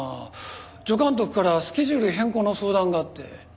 助監督からスケジュール変更の相談があって。